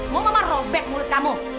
mama robek mulut kamu